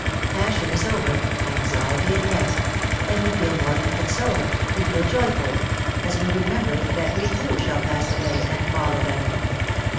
Passion is over, anxiety at rest, and we feel more than consoled, we feel joyful, as we remember that we too shall pass away, and follow them.